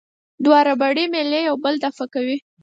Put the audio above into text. دوه ربړي میلې یو بل دفع کوي.